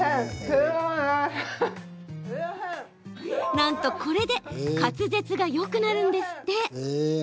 なんと、これで滑舌がよくなるんですって。